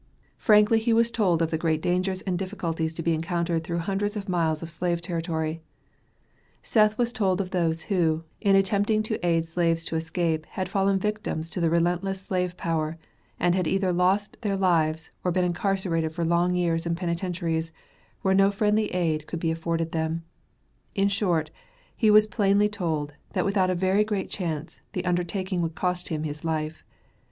Frankly was he told of the great dangers and difficulties to be encountered through hundreds of miles of slave territory. Seth was told of those who, in attempting to aid slaves to escape had fallen victims to the relentless Slave Power, and had either lost their lives, or been incarcerated for long years in penitentiaries, where no friendly aid could be afforded them; in short, he was plainly told, that without a very great chance, the undertaking would cost him his life.